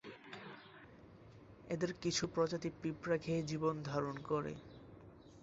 এদের কিছু প্রজাতি পিঁপড়া খেয়ে জীবন ধারণ করে।